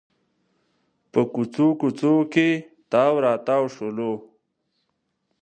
په کوڅو کوڅو کې تاو راتاو شولو.